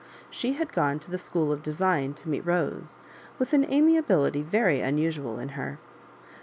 She had gone to the School of Design to meet Bose, with an amiability very unusual in her.